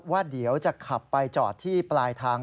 ว่าเดี๋ยวจะขับไปจอดที่ปลายทาง